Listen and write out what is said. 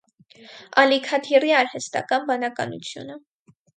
«Ալիքաթիռի» արհեստական բանականութունը։